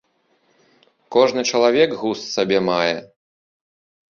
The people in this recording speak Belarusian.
Кожны чалавек густ сабе мае.